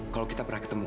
kalau kita pernah ketemu